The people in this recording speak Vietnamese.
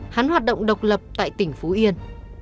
hắn hoạt động độc lập tại tỉnh phú yên